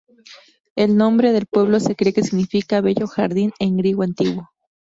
El nombre del pueblo se cree que significa "Bello jardín" en griego antiguo.